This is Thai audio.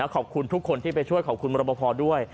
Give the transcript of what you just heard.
ขอบคุณทุกคนที่ไปช่วยขอบคุณมรบพอด้วย